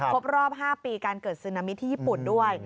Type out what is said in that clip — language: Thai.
ครบรอบ๕ปีการเกิดซึนามิที่ญี่ปุ่นด้วย